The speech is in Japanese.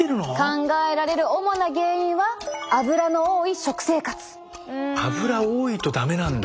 考えられる主な原因はアブラ多いと駄目なんだ！